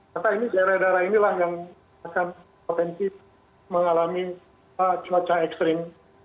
maka ini daerah daerah inilah yang akan potensi mengalami cuaca ekstrim